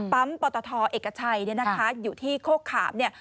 ปตทเอกชัยเนี่ยนะคะอยู่ที่โคกขามเนี่ย